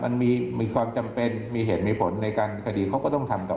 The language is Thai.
มันมีความจำเป็นมีเหตุมีผลในการคดีเขาก็ต้องทำต่อ